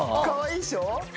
かわいいでしょ？